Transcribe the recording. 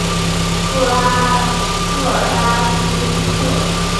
布尔拉斯蒂克。